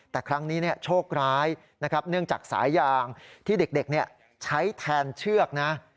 แต่ครั้งนี้โชคร้ายนะครับเนื่องจากสายยางที่เด็กใช้แทนเชือกนะ